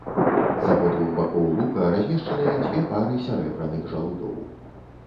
З абодвух бакоў лука размешчаныя дзве пары сярэбраных жалудоў.